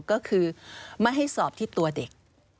ก็คือไม่ให้สอบที่ตัวเด็ก